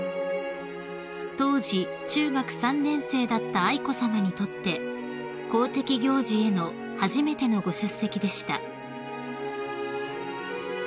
［当時中学３年生だった愛子さまにとって公的行事への初めてのご出席でした］